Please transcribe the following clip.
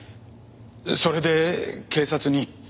それで警察に。